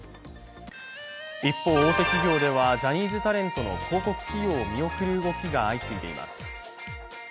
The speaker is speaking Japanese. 一方、大手企業ではジャニーズタレントの広告起用を見送る動きが相次いでいます。